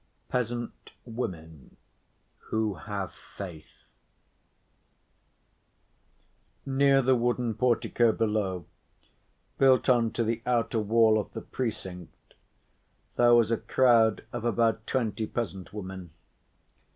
Peasant Women Who Have Faith Near the wooden portico below, built on to the outer wall of the precinct, there was a crowd of about twenty peasant women.